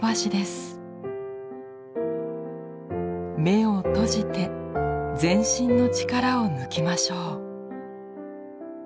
目を閉じて全身の力を抜きましょう。